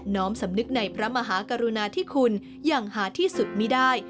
้อมสำนึกในพระมหากรุณาที่คุณอย่างหาที่สุดไม่ได้